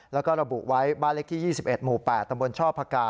แล้วก็ระบุไว้บ้านเล็กที่๒๑หมู่๘ตำบลช่อพกา